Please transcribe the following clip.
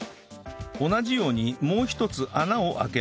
同じようにもう一つ穴を開けます